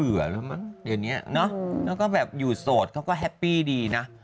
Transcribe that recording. อืมนี่ควรสนิทเขาออกมาพูดเมื่อกี้แหละ